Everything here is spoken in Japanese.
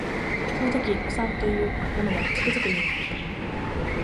その時におさんと言う者はつくづく嫌になった